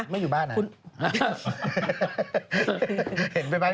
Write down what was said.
ไม่อยู่บ้านนะ